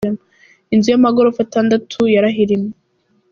Inzu y’amagorofa atandatu yarahirimye